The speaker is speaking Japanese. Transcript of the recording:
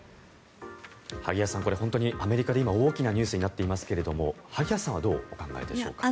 萩谷さん、アメリカで大きなニュースになっていますが萩谷さんはどうお考えでしょうか。